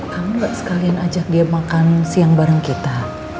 kamu gak sekalian ajak dia makan siang bareng kita